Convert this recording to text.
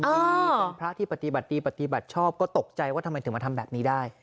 ที่เป็นพระที่ปฏิบัติดีปฏิบัติชอบก็ตกใจว่าทำไมถึงมาทำแบบนี้ได้